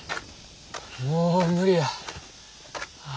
もう無理や。